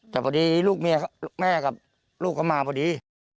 แต่พอดีลูกเมียแม่กับลูกเขามาพอดี